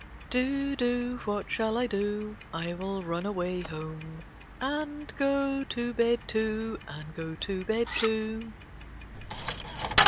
Do, do, what shall I do? I will run away home, And go to bed too, And go to bed too.